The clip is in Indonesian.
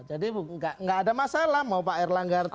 jadi gak ada masalah mau pak erlangga artinya g